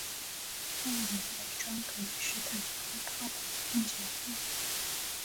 反影伪装可以使坦克炮管看起来更短。